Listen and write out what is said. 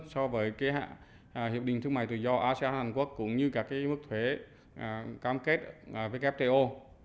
so với hiệp định thương mại tự do asean hàn quốc cũng như mức thuế cam kết với kfto